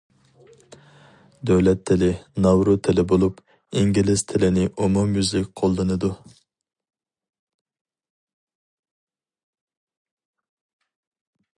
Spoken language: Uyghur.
دۆلەت تىلى ناۋرۇ تىلى بولۇپ، ئىنگلىز تىلىنى ئومۇميۈزلۈك قوللىنىدۇ.